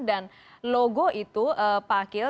dan logo itu pak giel